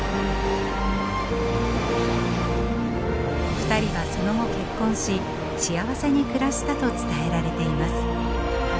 ２人はその後結婚し幸せに暮らしたと伝えられています。